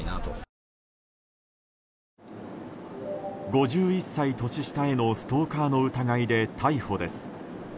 ５１歳年下へのストーカーの疑いで逮捕です。